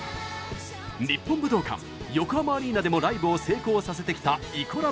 日本武道館、横浜アリーナでもライブを成功させてきたイコラブ。